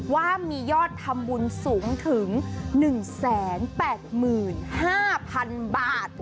ว่ามียอดทำบุญสูงถึง๑๘๕๐๐๐บาท